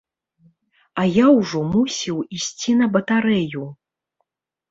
А я ўжо мусіў ісці на батарэю.